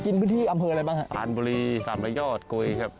กินพื้นที่อำเภออะไรบ้างฮะอ่านบุรีสามระยอดกุยครับ